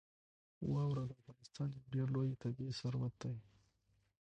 واوره د افغانستان یو ډېر لوی طبعي ثروت دی.